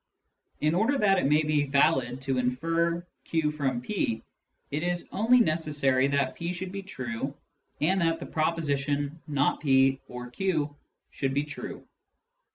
In order that it may be valid^to infer q from p, it is only necessary that p should be true and that the proposition " not /) or q " should be true.